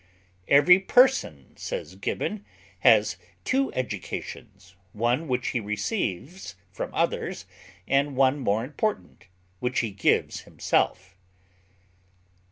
'Every person,' says Gibbon, 'has two educations, one which he receives from others, and one more important, which he gives himself.'"